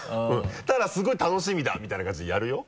ただすごい楽しみだみたいな感じでやるよ？